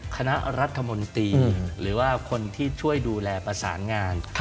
คณะรัฐมนตรีหรือว่าคนที่ช่วยดูแลประสานงาน